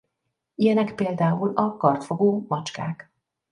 Ilyenek például a kardfogú macskák.